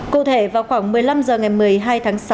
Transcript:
cụ thể vào khoảng một mươi năm h ngày một mươi hai tháng sáu